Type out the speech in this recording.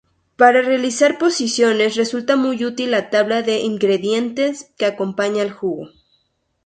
Para realizar pociones resulta muy útil la tabla de ingredientes que acompaña al juego.